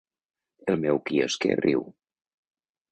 El meu quiosquer riu.